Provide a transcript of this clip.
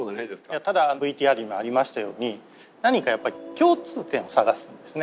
ただＶＴＲにもありましたように何かやっぱり共通点を探すんですね。